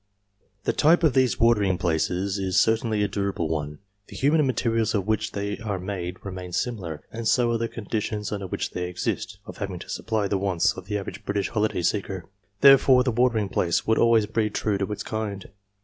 The type of these watering places is certainly a durable one ; the human materials of "which they are made remain similar, and so are the conditions under which they exist, of having to supply the wants of the average British holiday seeker. Therefore the watering place would always breed true to its kind.